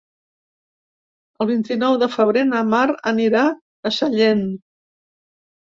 El vint-i-nou de febrer na Mar anirà a Sallent.